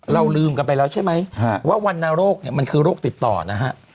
เราลืมกันไปแล้วใช่ไหมว่าวรรณโรคเนี่ยมันคือโรคติดต่อนะฮะ